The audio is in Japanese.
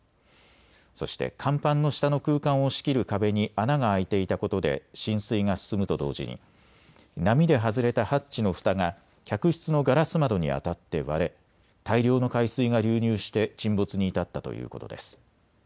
そして甲板の下の空間を仕切る壁に穴が開いていたことで浸水が進むと同時に波で外れたハッチのふたが客室のガラス窓に当たって割れ大量の海水が流入して沈没に至ったということです。